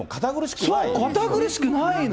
堅苦しくないの。